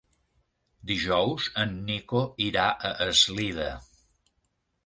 Dijous en Nico irà a Eslida.